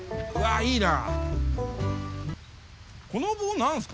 いいな。